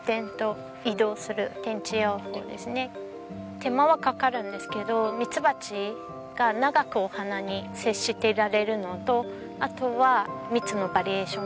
手間はかかるんですけどミツバチが長くお花に接していられるのとあとは蜜のバリエーションが増えます。